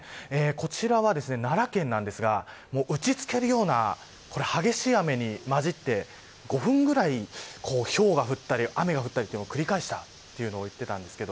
こちらは奈良県ですが打ち付けるような激しい雨に交じって５分ぐらいひょうが降ったり雨が降ったりを繰り返したと言っていました。